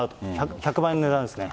１００倍の値段ですね。